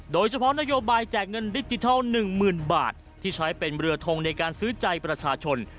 โดยเฉพาะนโยบายแจกเงินดิจิทัล๑๐๐๐บาทที่ใช้เป็นเรือทงในการซื้อใจประชาชน